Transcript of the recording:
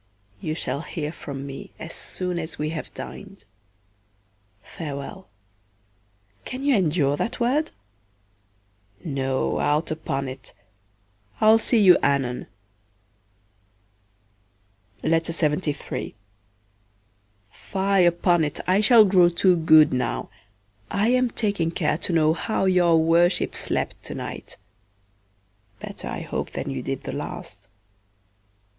You shall hear from me as soon as we have dined. Farewell; can you endure that word? No, out upon't. I'll see you anon. Fye upon't I shall grow too good now, I am taking care to know how your worship slept to night; better I hope than you did the last.